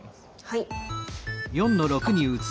はい。